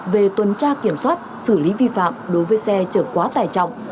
về tuần tra kiểm soát xử lý vi phạm đối với xe chở quá tải trọng